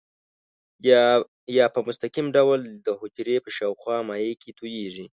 یا په مستقیم ډول د حجرې په شاوخوا مایع کې تویېږي.